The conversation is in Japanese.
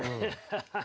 ハハハハ。